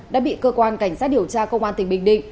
đã bị cơ quan cảnh sát điều tra công an tỉnh bình định